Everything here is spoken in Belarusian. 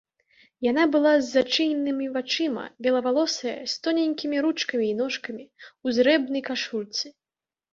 Яна была з зачыненымі вачыма, белавалосая, з тоненькімі ручкамі і ножкамі, у зрэбнай кашульцы.